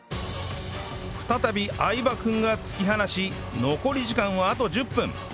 再び相葉君が突き放し残り時間はあと１０分